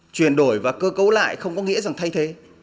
chuyển đổi và cơ cấu lại không có nghĩa rằng thay thế